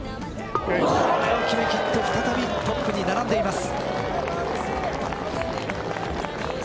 これを決めきって再びトップに並んでいます。